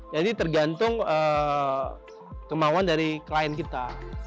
jadi tergantung kemauan dari klien kita